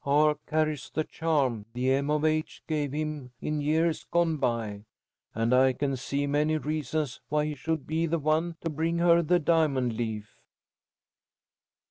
R. carries the charm the M. of H. gave him in years gone by, and I can see many reasons why he should be the one to bring her the diamond leaf."